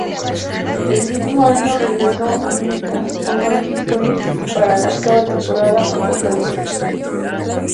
El mismo año, regresó a "American Horror Story" para la octava temporada, Apocalypse.